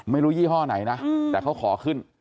ไม่รู้ยี่ห้อไหนนะแต่เขาขอขึ้น